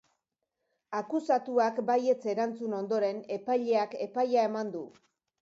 Akusatuak baietz erantzun ondoren, epaileak epaia eman du.